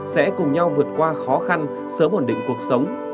sẽ cùng nhau vượt qua khó khăn sớm ổn định cuộc sống